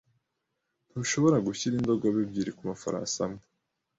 Ntushobora gushyira indogobe ebyiri kumafarasi amwe.